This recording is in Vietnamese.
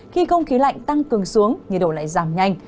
khi không khí lạnh tăng cường xuống nhiệt độ lại giảm nhanh